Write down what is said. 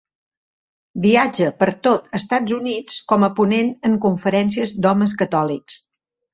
Viatja per tot Estats Units com a ponent en conferències d'homes catòlics.